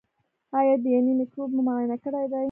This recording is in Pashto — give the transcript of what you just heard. ایا د ینې مکروب مو معاینه کړی دی؟